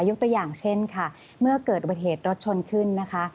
ยกตัวอย่างเช่นค่ะเมื่อเกิดอุบัติเหตุรถชนขึ้นนะคะ